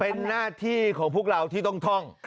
เป็นหน้าที่ของพวกเราที่ต้องท่อง